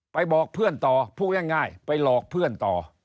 บอกเพื่อนต่อพูดง่ายไปหลอกเพื่อนต่อ